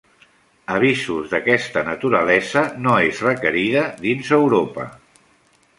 Avisos d'aquesta naturalesa no és requerida dins Europa.